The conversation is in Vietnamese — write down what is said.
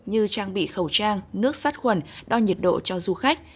như trang bị khẩu trang nước sát khuẩn đo nhiệt độ cho du khách